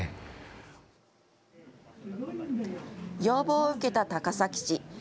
要望を受けた高崎市。